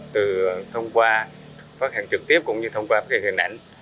từ thông qua phát hiện trực tiếp cũng như thông qua phát hiện hình ảnh